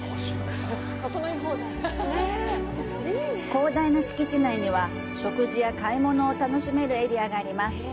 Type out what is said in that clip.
広大な敷地内には、食事や買い物を楽しめるエリアがあります。